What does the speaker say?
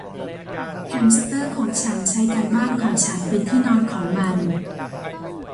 แฮมสเตอร์ของฉันใช้การบ้านของฉันเป็นที่นอนของมัน